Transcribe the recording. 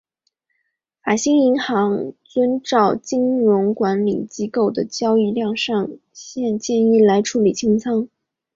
法兴银行遵照金融管理机构的交易量上限建议来处理清仓。